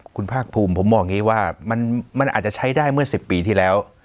คุณภาคภูมิผมบอกอย่างนี้ว่ามันอาจจะใช้ได้เมื่อ๑๐ปีที่แล้ว